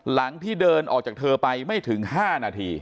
หลังที่เดินออกจากเธอไปไม่ถึง๕นาที